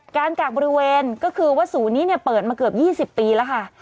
กากบริเวณก็คือว่าศูนย์นี้เปิดมาเกือบ๒๐ปีแล้วค่ะ